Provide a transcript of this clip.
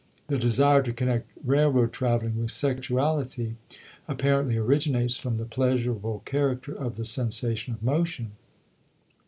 The desire to connect railroad travelling with sexuality apparently originates from the pleasurable character of the sensation of motion.